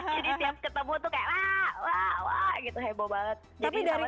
jadi setiap ketemu tuh kayak wah wah wah gitu heboh banget